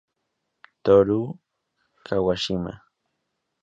Toru Kawashima